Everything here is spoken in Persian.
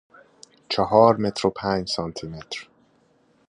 چهارمتر و پنج سانتیمتر.